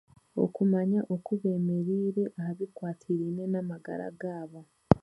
Okumanya oku beemereire ahabikwatiraine n'amagara gaabo.